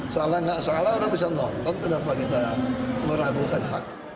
salah nggak salah orang bisa nonton kenapa kita meragukan hak